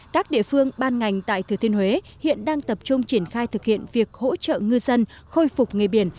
các địa phương ban ngành tại thừa thiên huế hiện đang tập trung triển khai thực hiện việc hỗ trợ ngư dân khôi phục nghề biển